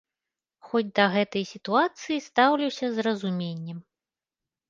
Хоць да гэтай сітуацыі стаўлюся з разуменнем.